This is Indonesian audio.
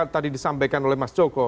tadi disampaikan oleh mas joko